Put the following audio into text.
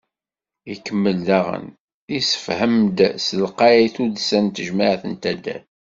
Ikemmel daɣen, yessefhem-d s telqay tuddsa n tejmeɛt n taddart.